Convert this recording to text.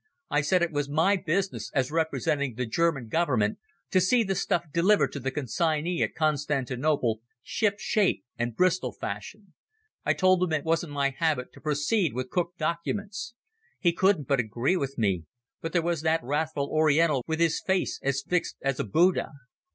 I said it was my business, as representing the German Government, to see the stuff delivered to the consignee at Constantinople ship shape and Bristol fashion. I told him it wasn't my habit to proceed with cooked documents. He couldn't but agree with me, but there was that wrathful Oriental with his face as fixed as a Buddha.